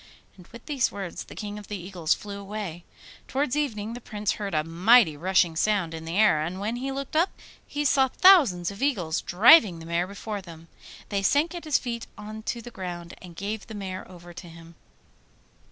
And with these words the King of the Eagles flew away. Towards evening the Prince heard a mighty rushing sound in the air, and when he looked up he saw thousands of eagles driving the mare before them. They sank at his feet on to the ground and gave the mare over to him.